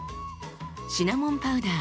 シナモンパウダー